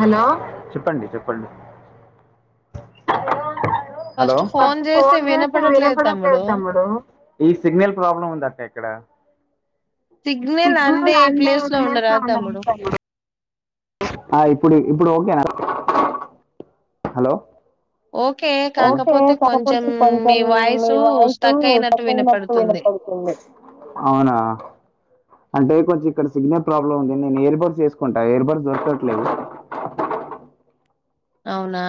Hello చెప్పండి చెప్పండి hello first phone చేస్తే వినపడ్తలేద్ తమ్ముడు ఈ సిగ్నల్ ప్రాబ్లం ఉంది అక్కే క్కడ సిగ్నల్ అందే ప్లేస్ లో ఉండరాద్ తమ్ముడు అ ఇప్పుడి ఇప్పుడు ఓకేనా హలో ఓకే ఓకే కాకపోతే కొంచెం కకపోతే మీ కొంచెం నీ వాయిసు వాయిసు స్టక్ అయినట్టు సక్కైనట్టు వినపడుతుంది వినపడుతుంది అవునా అంటే కొంచె ఇక్కడ సిగ్నల్ ప్రాబ్లమ్ ఉంది నేను ఎయిర్ బర్డ్స్ ఎస్కుకుంటా ఎయిర్ బర్డ్స్ దొరకట్లేవ్ అవునా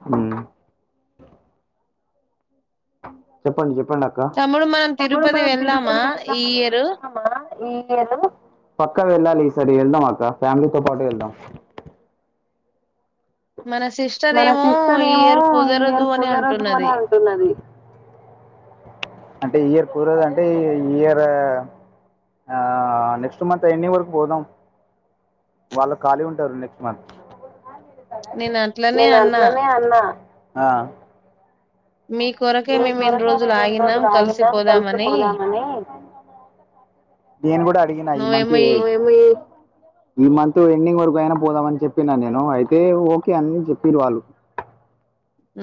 హమ్ చెప్పండి చెప్ ప్పండి అక్కా తమ్ముడు మనం తమ్ముడు తిరుపతి మనం వెళ్దామా తిరుపతి ఈ ఎల్దాం ఇయరు కున్నం కదా పక్క వెళ్ళాలి ఈ సరి వెళ్దాం అక్క ఫ్యామిలీతో పాటు వెళ్దాం మన సిస్టర్ మన ఏమో సిస్టర్ ఈ ఏమో ఇయర్ ఈ కుదరదు ఇయర్ అని కుదరదు అని అంటున్నది అంటున్నది అంటే ఇ ఇయర్ కురదు అంటే ఈ ఇయర్ ఆ నెక్స్ట్ మంత్ ఎండింగ్ వరక్ పోదాం వాళ్ళు ఖాళీ ఉంటరు నెక్స్ట్ మంత్ నేను అట్లనే నేను అన్నా అట్లనే అన్నా ఆ మీ కొరకే మీ మేము ఇన్ని కొరకె రోజులు మేమ్ ఆగినాం ఇడ్రోజులు ఆగినం కలిసిపోదామని కలిసిపోదామని నేను కూడా అడిగిన ఈ మంత్ ఈ మంతు ఎండింగ్ వరకు అయినా పోదామని చెప్పిన నేను అయితే ఓకే అని చెప్పిరు వాళ్ళు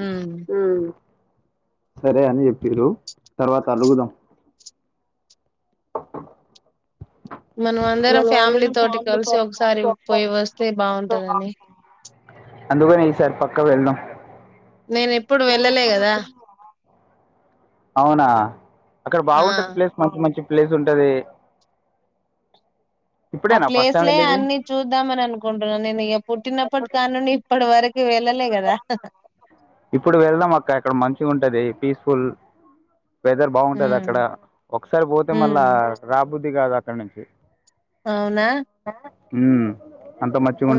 ఉమ్ సరే అని చెప్పిర్రు తర్వాత అలుగుదం మనమందరం ఫ్యామిలీ తోటి కలిసి ఒకసారి పోయి వస్తే బాగుంటందని క్క వెళ్దాం నేను ఎప్పుడు వెళ్ళలే గదా అవునా క్కడ ఆ బాగుంటది ప్లేస్ మంచి మంచి ప్లేస్ ఉంటంది ఆ ప్లేస్లే అన్ని చూద్దామని అనుకుంటున్నా నేను ఇగ పుట్టినప్పట్ కానుండి ఇప్పటి వరక్ వెళ్ళలే కదాహా ఇప్పుడు వెళ్దాం అక్క అక్కడ మంచిగుంటది పీస్ఫూల్ వెదర్ బాగుంటది అక్కడ ఉమ్ ఒకసారి పోతే ఉమ్, మళ్ళా రాబుద్ది కాదు అ కన్నుంచి అవ్నా హమ్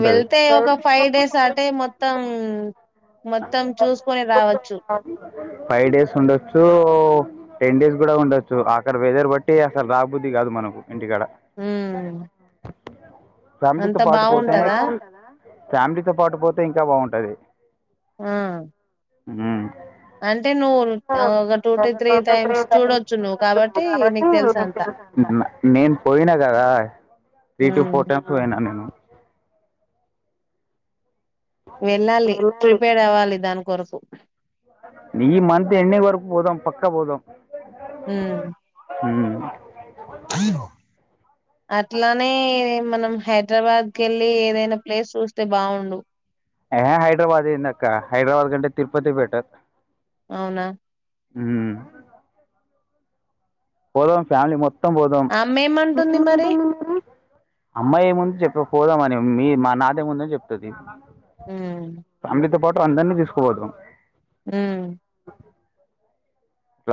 వెళ్తే ఒక ఫైవ్ డేస్ అటే మొత్తం మొత్తం చూసుకోని రావచ్చు ఫైవ్ డేస్ ఉండొచ్చు టెన్ డేస్ కూడా ఉండొచ్చు అక్కడ వెదర్ బట్టి అసలు రాబుద్ది కాదు మనకు ఇంటికాడ ఉమ్ ఫ్యామిలీతో అంత పాటు పోతానే బాగుంటదా ఫ్యామిలీతో పాటు పోతే ఇంకా బాగుంటది ఆ హ్మ్ అంటే నువ్వు ఆ, ఒక టూ టు త్రీ టైమ్స్ చూడొచ్చు నువ్వు కాబట్టి నీకు తెలుసు అంతా నేను పోయినా కదా three to um four times పోయినా నేను వెళ్ళాలి ప్రిపేర్డ్ అవ్వాలి దాని కొరకు ఈ మంత్ ఎన్న వరకు పోదాం పక్కా పోదాం మ్మ్ హ్మ్ అట్లానే మనం హైదరాబాద్ కి వెళ్ళి ఏదైనా ప్లేస్ చూస్తే బాగుండు ఎ హే హైదరాబాద్ ఏంది అక్కా హైదరాబాద్ కంటే తిరుపతి బెటర్ అవునా హ పో ఫ్యామిలీ మొం ఏం పోదం ఆమె ఏమంటుంది మరి అమ్మాయ ముందు చెప్పక పోదాంమని మీ మా నాదే ముందని చెప్తుది హ్మ్ ఫలీతో బట్ అందరినీ తీసుకోపోద్రాం హ ఇ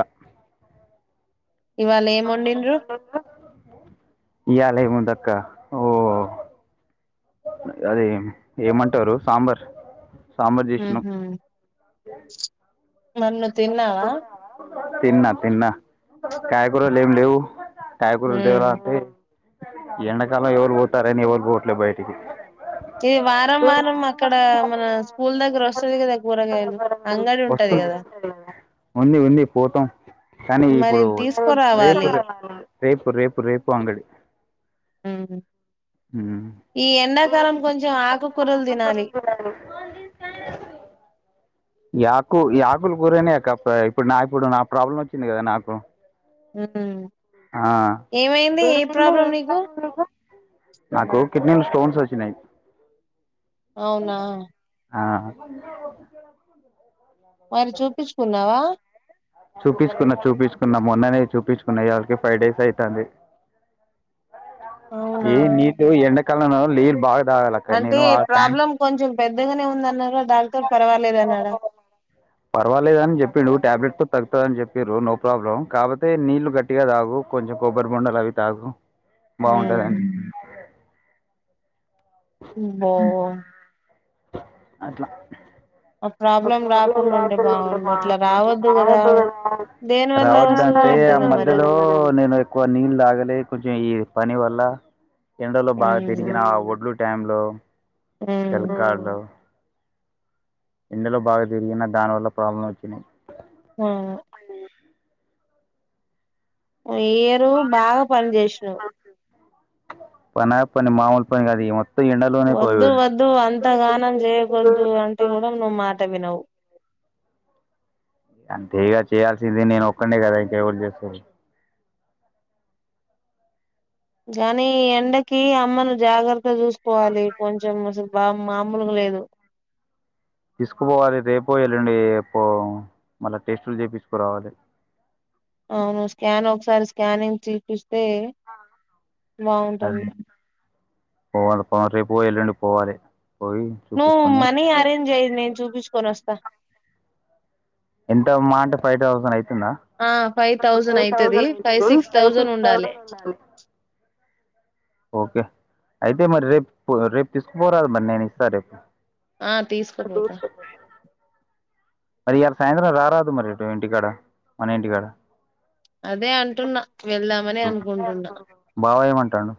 ఇవాళ ఏం వండిండ్రు ఇయాల ముందుక్క ఓ అది ఏమంటారు సాంబార్ సామర్జ్యషణం ఊహూ నన్ను తిన్నావా తిన్నా తిన్నా కాయకుూరలు ఏమి లేవు కాయకూరలు హ్మ్ లేవాల అంటే ఎండాకాలం ఎవరు పోతారని ఎవరు పోవట్లేదు బయటికి ఈ వారం వారం అక్కడ మన స్కూల్ దగ్గర స్తది కదా కూరగాయలు అంగడి ఉంటది వస్తుంది. గదా ఉంది ఉంది పోతాం కానీ మరి ఇప్పుడు రేపు తీసుకురావాలి రేపు రేపు రేపు అంగడి మ్ హూ ఉమ్. ఈ ఎండాకాలం కొంచెం ఆకుకూరలు తినాలి యాకు యాకులు కూరనేక పై ఇప్పుడు నా ఇప్పుడు నా ప్రాబ్లం వచ్చింది కదా నాకు ఉమ్ అ నీకు నాకు కిడ్నీల స్టోన్సొచ్చినయి అవునా ఆ మరి చూపిచ్చుకున్నావా చూపిచ్చుకున్న చూపిచ్చుకున్న మొన్ననే చూపిచ్చుకున్న ఇయాళకి ఫైవ్ డేస్ ఐతాంది అవునా ఏ నీట్ ఎండక్ కాలంలో నీల్ బా అంటే ప్రాబ్లం కొంచెం పెద్దగానే ఉందన్నరా డాక్టర్ పర్వాలేదన్నాడా పర్వాలేదని చెప్పిడు టాబ్లెట్ తో తగ్గుతాదని చెప్పిర్రు నో ప్రాబ్లం కాకపోతే నీళ్లు గట్టిగా తాగు కొంచెం కొబ్బరి బొండలవి తాగు బావుంటదన్ ఉమ్. [unintelligible] అట్ల ఆ ప్రాబ్లం రాకుండా ఉంటే బాగుండు అట్లా రావద్దు కదా దేని వల్ల వస్తదో రావద్దంటే ఆ ఏంటిదో మరి మధ్యలో అది నేను ఎక్కువ నీళ్ళు తాగలే కొంచెం ఈ పని వల్ల ఎండలో బాగా తిరిగిన ఆ ఒడ్లు టైంలో ఉమ్ ఎల్కార్డు ఎండలో బాగా తిరిగిన దాని వల్ల ప్రాబ్లం వచ్చినయి ఉమ్ ఈ ఇయరు బాగా పని చేసినావు పనా పని మామూలు పనికాదు [inaudible] వద్దు వద్దు అంతగానం చేయకోద్దు అంటే కూడా నువ్వ్ మాట వినవు అంతేగా చేయాల్సింది నేను ఒక్కడ్నే కదా ఇంక ఎవరు చేస్తుర్రు కానీ ఎండకి అమ్మను జా చూసుకోవాలి కొంచెం అసలు బా మామూలుగ లేదు తీసుకుపోవాలి రేపో ఎల్లుండి పో మళ్ళా టెస్టులు తీపించుకురావాలి అవును స్కాన్ ఒకసారి స్కానింగ్ చిపి తే అది బాగుంటుంది పోవాలి బా రెపో ఎల్లుండో పోవాలి పోయి నువ్వు చూపించుకొని మనీ అరేంజ్ చేయి నేను చూపించుకొని వస్తా ఎంత మాహ అంటే ఫైవ్ థౌసండ్ అయితే ఆ ఫైవ్ థౌజన్ అయ్యితది ఫైవ్ సిక్స్ థౌజన్ ఉండాలి ఓకే అయితే మరి రేపు రేపు తీసుకుపోరా మరి నేను ఇస్తా రేపు ఆ తీసుకోపోతా [unintelligible] సాయంత్రం రారదు మరి ఇటు ఇంటికాడ మన ఇంటికాడ అదే అంటున్నా వెళ్దామని అనుకుంటున్నా బావ ఏమంటాండు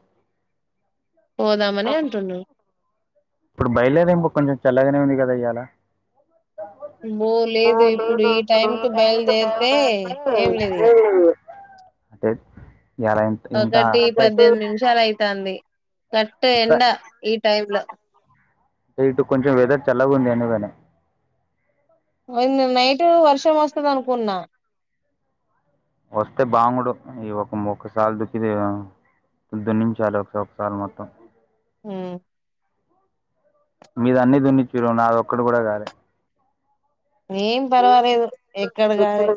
పోదామని అంటుడు ఇప్పుడు బయలుదేం కొంచెం చల్లగానే ఉంది కదా ఈ ఎలా [unintelligible] లేదు ఇప్పుడు ఈ టైంకి బయలుదేరితే ఏం లేదు ఇక [unintelligible] ఇంత ఒకటి పద్దెనిమిది నిమిషాలు అయితంది కట్ అంత ఎడా ఈ టైమ్ లో అంటే ఇటు కొంచెం వెదర్ చల్లగా ఉంది అయినగాని నిన్న నైట్ వర్షం వస్తంది అనుకున్నా వస్తే బాంగడు ఈ ఒక ఒకసారి [unintelligible] పొద్దున ను నుంచి ఒకసారి మొత్తం మ్మ్ మీద అన్ని దున్ని చూరు నాది ఒక్కడు కూడా కాలే ఏం పర్వాలేదు ఎక్కడ కానీ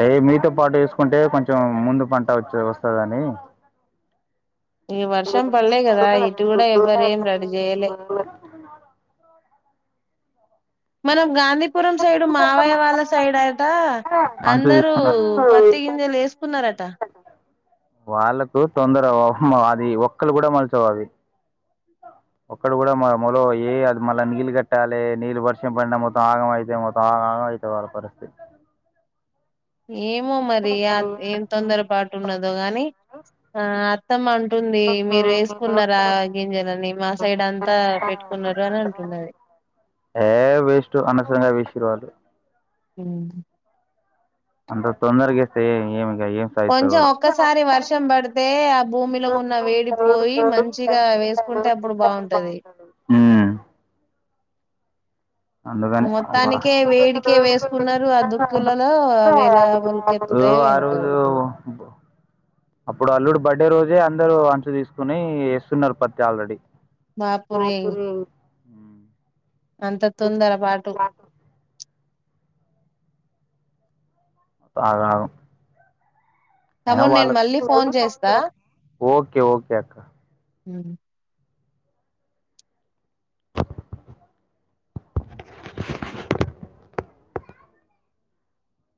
అంటే మీతో పాటు వేసుకుంటే కొంచెం ముందు పంట వచ్చ వస్తుందని ఈ వర్షం పడలే కదా ఇటు కూడా ఎవ్వరేం రెడీ చెయలే మన గాంధీపురం సైడు మావయ్య వాళ్ళ సైడ్ట అంట అంచు అందరు తీసుకున్నారు పత్తి గింజలు వేసుకున్నారట వాళ్ళలకు తొందర అది ఒక్కళ కూడా మలిచవు అవి ఒక్కటీ కూడా మొలవవు అది మళ్ళీ నీళ్ళు కట్టాలి నీళ్ళు వర్షం పడిన మొత్తం ఆగం అయితే మొత్తం ఆ ఆగం అయితే వాళ్ళ పరిస్థితి ఏమో మరి ఆ ఏం తొందర పాటు ఉన్నదో గానీ ఆ మన ఉంటుంది మీరు వేసుకున్నారా గింజలు అని మా సైడ్ అంతా పెట్టుకున్నారు అని అంటుంది అది ఏ వేస్ట్ అనవసరంగా వేసిర్రు వాళ్ళు అ అంత తొందరగాస్తే ఏమి ఎ కొంచెం ఒక్కసారి వర్షం పడితే ఆ భూమిలో ఉన్న వేడిపోయి మంచిగా వేసుకుంటే అప్పుడు బాగుంటది. ఉమ్ అందుకని మొత్తానికే వేడికే వేసుకున్నారు ఆ దుక్కులను అ వేలా ములకెత్తుతాయ ఓ ఆ ఏంటో రోజు అప్పుడు అల్లుడు బర్డే రోజే అందరుూ అంచు తీసుకుని ఎస్తున్నారు పత్తి ఆల్రెడీ. బాపురే ఉ అంత తొందర పాటు [unintelligible] అయినా తమ్ముడు నేను వాళ్ళ మళ్ళీ ఫోన్ చేస్తా ఓకే ఓకే అక్క ఉ